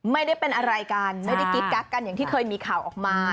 ไม่ได้เป็นอะไรกันไม่ได้กิ๊กกักกันอย่างที่เคยมีข่าวออกมา